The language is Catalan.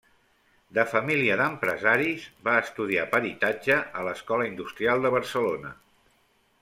De família d'empresaris, va estudiar peritatge a l'Escola Industrial de Barcelona.